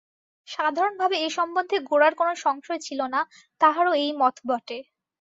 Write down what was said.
সাধারণভাবে এ সম্বন্ধে গোরার কোনো সংশয় ছিল না–তাহারও এই মত বটে।